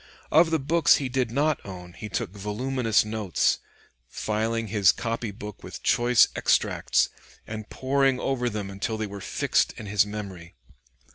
Of the books he did not own he took voluminous notes, filling his copy book with choice extracts, and poring over them until they were fixed in his memory.